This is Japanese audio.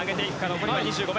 残りは２５ｍ。